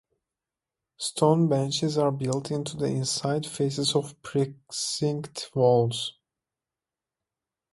Stone benches are built into the inside faces of precinct walls.